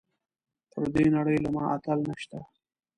پر دې نړۍ له ما اتل نشته .